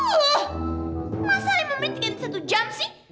uuhh masa lima menit ganti satu jam sih